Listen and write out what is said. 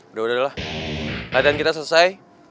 udah udah lah badan kita selesai